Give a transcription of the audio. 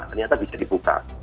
ternyata bisa dibuka